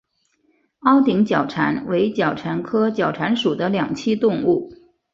凹顶角蟾为角蟾科角蟾属的两栖动物。